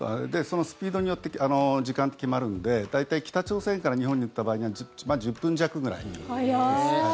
そのスピードによって時間って決まるので大体、北朝鮮から日本に撃った場合には１０分弱ぐらいです。